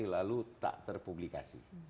lalu tak terpublikasi